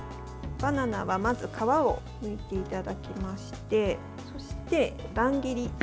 バナナはまず皮をむいていただきましてそして乱切り。